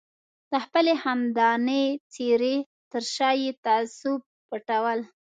د خپلې خندانې څېرې تر شا یې تعصب پټول.